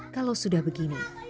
kalau sudah begini